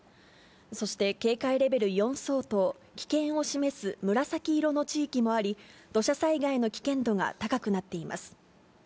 そして、警戒レベル４相当、危険を示す紫色の地域もあり、土砂災害の危険度が高くなっています。